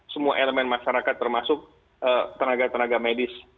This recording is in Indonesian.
semua elemen masyarakat termasuk tenaga tenaga medis